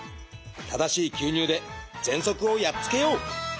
正しい吸入でぜんそくをやっつけよう！